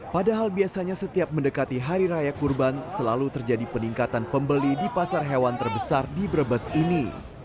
padahal biasanya setiap mendekati hari raya kurban selalu terjadi peningkatan pembeli di pasar hewan terbesar di brebes ini